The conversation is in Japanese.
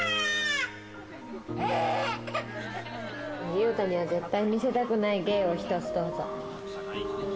裕太には絶対見せたくない芸を１つどうぞ。